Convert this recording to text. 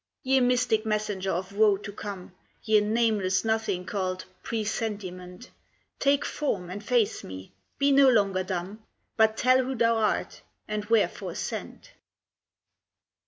Ye mystic messenger of woe to come, Ye nameless nothing called 'Presentiment,' Take form and face me; be no longer dumb, But tell who thou art, and wherefore sent.